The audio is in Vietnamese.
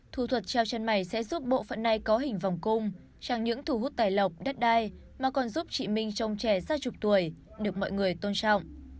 thu thuật treo chân mày sẽ giúp bộ phận này có hình vòng cung chẳng những thủ hút tài lộc đất đai mà còn giúp chị minh trông trẻ ra chục tuổi được mọi người tôn trọng